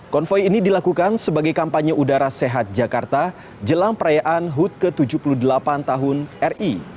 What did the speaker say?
konvoy ini dilakukan sebagai kampanye udara sehat jakarta jelang perayaan hut ke tujuh puluh delapan tahun ri